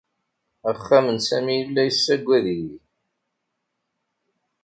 Axxam n Sami yella yessaggad-iyi.